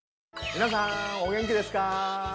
皆さんお元気ですか？